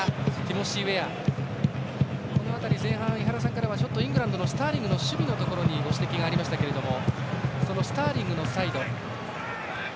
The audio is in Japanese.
前半、井原さんからはイングランドのスターリングの守備にご指摘がありましたがそのスターリングのサイド。